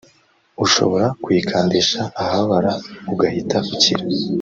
ushobora kuyikandisha ahababara ugahita ukira